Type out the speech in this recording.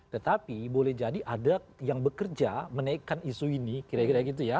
tetapi boleh jadi ada yang bekerja menaikkan isu ini kira kira gitu ya